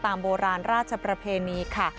โบราณราชประเพณีค่ะ